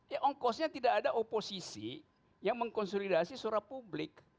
ya ongkosnya tidak ada oposisi yang mengkonsolidasi surat publik